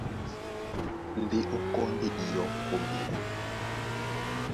Ndé a kɔ́ ndé iyɔ́ ó ŋgeá.